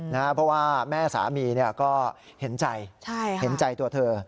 นะฮะเพราะว่าแม่สามีเนี่ยก็เห็นใจใช่ค่ะเห็นใจตัวเธอ